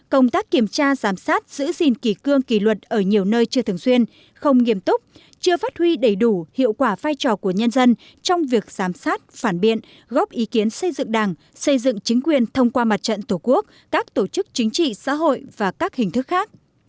công tác kiểm tra giám sát giữ gìn kỳ cương kỳ luật ở nhiều nơi chưa thường xuyên không nghiêm túc chưa phát huy đầy đủ hiệu quả vai trò của nhân dân trong việc giám sát phản biện góp ý kiến xây dựng đảng xây dựng chính quyền thông qua mặt trận tổ quốc các tổ chức chính trị xã hội và các hình thức khác